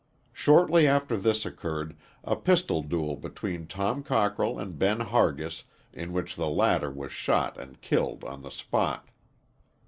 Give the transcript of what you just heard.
Shortly after this occurred a pistol duel between Tom Cockrell and Ben Hargis, in which the latter was shot and killed on the spot.